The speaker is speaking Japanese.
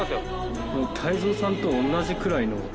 もう泰造さんと同じくらいの。